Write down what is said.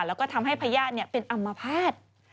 แล้วก็ทำให้พญาติเป็นอำมาภาษณ์